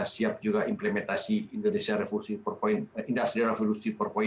siap juga implementasi indonesia revolusi empat